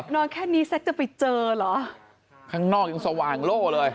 นอนแค่นี้แซ็กจะไปเจอเหรอข้างนอกยังสว่างโล่เลย